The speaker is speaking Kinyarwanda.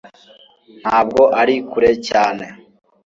ntabwo ari kure cyane